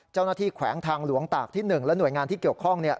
เจ้าหน้าที่แขวงทางหลวงตากที่หนึ่งแล้วหน่วยงานที่เกี่ยวข้องเนี่ย